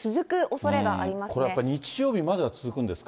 これやっぱり日曜日までは続くんですか。